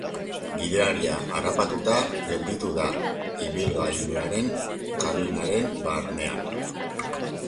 Gidaria harrapatuta gelditu da ibilgailuaren kabinaren barnean.